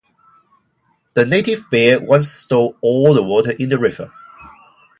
The native bear once stole all the water in the river.